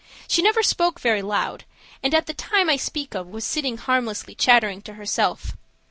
She never spoke very loud, and at the time I speak of was sitting harmlessly chattering to herself.